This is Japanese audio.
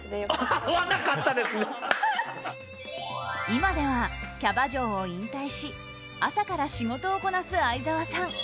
今ではキャバ嬢を引退し朝から仕事をこなす愛沢さん。